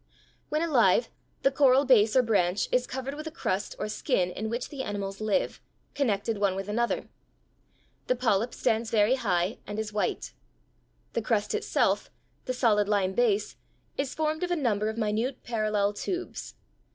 When alive, the coral base or branch is covered with a crust or skin in which the animals live, connected one with another. The polyp stands very high and is white. The crust itself, the solid lime base, is formed of a number of minute parallel tubes.